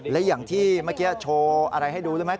และอย่างที่เมื่อกี้โชว์อะไรให้ดูรู้ไหม